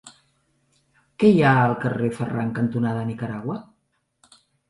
Què hi ha al carrer Ferran cantonada Nicaragua?